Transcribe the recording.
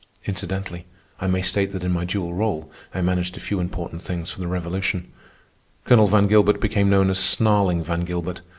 Incidentally, I may state that in my dual rôle I managed a few important things for the Revolution. Colonel Van Gilbert became known as "Snarling" Van Gilbert.